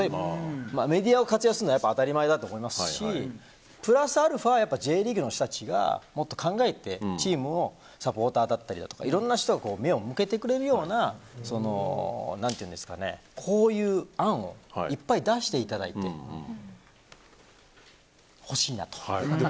メディアを活用するのは当たり前だしプラスアルファＪリーグの人たちはもっと考えてチームのサポーターだったりとかいろんな人が目を向けてくれるようなこういう案をいっぱい出していただいてほしいなと。